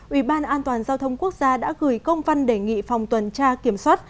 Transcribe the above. ủy ban an toàn giao thông quốc gia đã gửi công văn đề nghị phòng tuần tra kiểm soát